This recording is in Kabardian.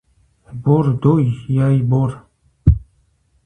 Бор дой, яй бор.